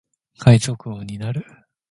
海賊王になる